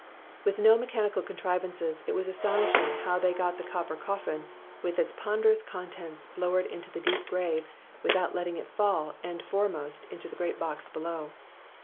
"With no mechanical contrivances, it was astonishing how they got the copper coffin, with its ponderous contents, lowered into the deep grave without letting it fall end foremost into the great box below.